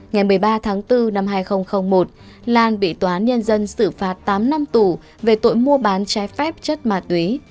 ngày một mươi ba tháng bốn năm hai nghìn một lan bị tòa án nhân dân xử phạt tám năm tù về tội mua bán trái phép chất ma túy